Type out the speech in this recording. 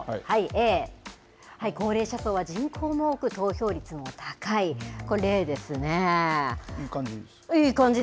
Ａ、高齢者層は人口も多く、投票率も高い、これ、いい感じ？